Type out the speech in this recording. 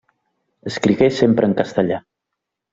Escrigué sempre en castellà.